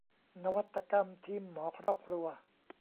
นวัตกรรมทีมหมอครอบครัว